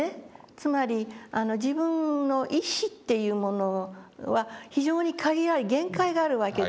つまり自分の意志っていうものは非常に限られ限界があるわけです。